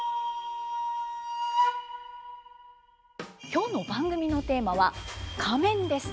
今日の番組のテーマは「仮面」です。